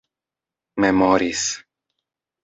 memoris